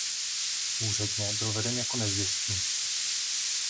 Úředně byl veden jako nezvěstný.